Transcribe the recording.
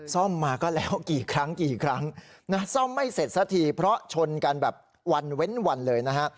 ซ่อมมาก็แล้วกี่ครั้งกี่ครั้งนะซ่อมไม่เสร็จสักทีเพราะชนกันแบบวันเว้นวันเลยนะฮะ